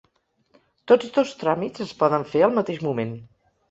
Tots dos tràmits es poden fer al mateix moment.